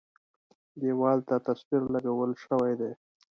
دېوال ته تصویر لګول شوی دی.